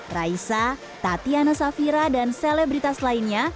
raisa tatiana safira dan selebritas lainnya